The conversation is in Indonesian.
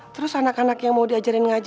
terus anak anak yang mau diajarin ngajak